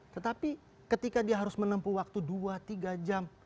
tetapi ketika dia harus menempuh waktu dua tiga jam